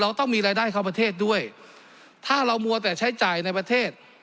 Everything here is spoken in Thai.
ต้องมีรายได้เข้าประเทศด้วยถ้าเรามัวแต่ใช้จ่ายในประเทศ